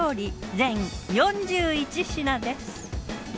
全４１品です。